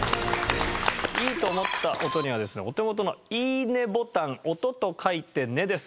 いいと思った音にはですねお手元の「いい音ボタン」「おと」と書いて「ね」です。